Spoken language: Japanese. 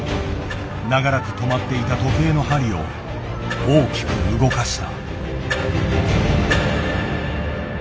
長らく止まっていた時計の針を大きく動かした。